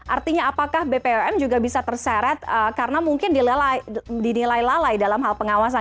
artinya apakah bpom juga bisa terseret karena mungkin dinilai lalai dalam hal pengawasan